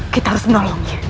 kita harus menolongnya